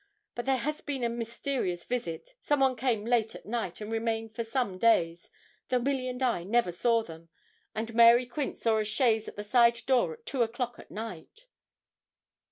But there has been a mysterious visit; some one came late at night, and remained for some days, though Milly and I never saw them, and Mary Quince saw a chaise at the side door at two o'clock at night.'